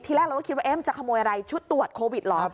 ที่แรกก็คิดว่าจะขโมยอะไรช่วงตรวจโควิดหรอ